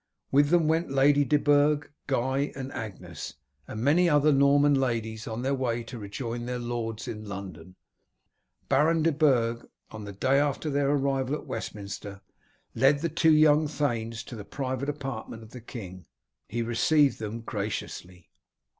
With them went Lady de Burg, Guy, and Agnes, with many other Norman ladies on their way to rejoin their lords in London. Baron de Burg, on the day after their arrival at Westminster, led the two young thanes to the private apartment of the king. He received them graciously.